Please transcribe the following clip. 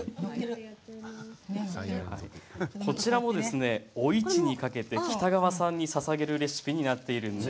こちらも、お市にかけて北川さんにささげるレシピになっています。